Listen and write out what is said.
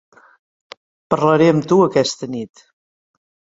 Parlaré amb tu aquesta nit.